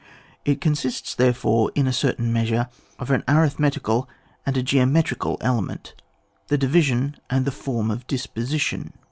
It consists, therefore, in a certain mea sure, of an arithmetical an^ a geometri cal element, the division and the form of disposition.